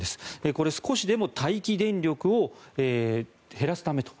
これ、少しでも待機電力を減らすためと。